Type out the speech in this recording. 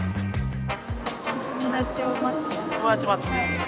友達待ってる。